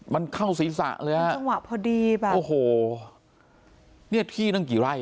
มันเข้าศีรษะเลยฮะจังหวะพอดีแบบโอ้โหเนี่ยที่นั่งกี่ไร่